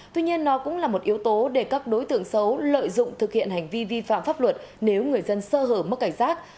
tuy nhiên nó cũng là một yếu tố để các đối tượng xấu lợi dụng thực hiện hành vi vi phạm pháp luật nếu người dân sơ hở mất cảnh giác